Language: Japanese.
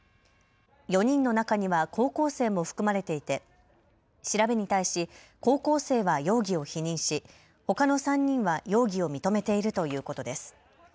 ４人の中には高校生も含まれていて調べに対し高校生は容疑を否認し、ほかの３人は容疑を認めているということです。